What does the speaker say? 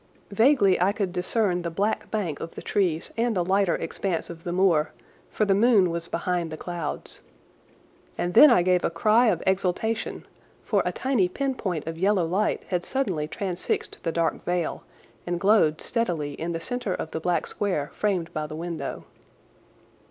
Vaguely I could discern the black bank of the trees and the lighter expanse of the moor, for the moon was behind the clouds. And then I gave a cry of exultation, for a tiny pinpoint of yellow light had suddenly transfixed the dark veil, and glowed steadily in the centre of the black square framed by the window.